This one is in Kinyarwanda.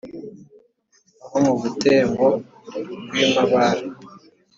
aho mu butembo bw'i mabare,